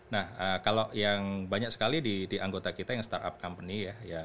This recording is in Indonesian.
nah kalau yang banyak sekali di anggota kita yang startup company ya